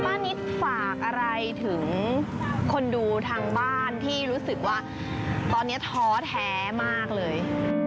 นิดฝากอะไรถึงคนดูทางบ้านที่รู้สึกว่าตอนนี้ท้อแท้มากเลย